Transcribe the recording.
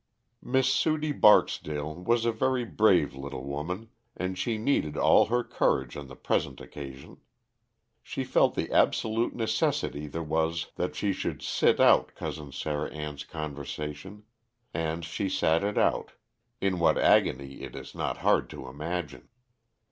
_ Miss Sudie Barksdale was a very brave little woman, and she needed all her courage on the present occasion. She felt the absolute necessity there was that she should sit out Cousin Sarah Ann's conversation, and she sat it out, in what agony it is not hard to imagine.